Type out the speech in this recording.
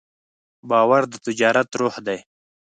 باور د تجارت روح دی.